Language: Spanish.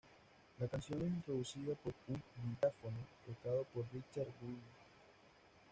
La canción es introducida por un vibráfono tocado por Richard Wright.